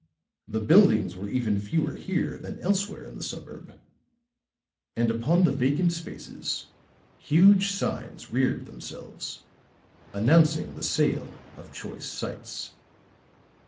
The buildings were even fewer here than elsewhere in the suburb; and upon the vacant spaces huge signs reared themselves, announcing the sale of choice sites.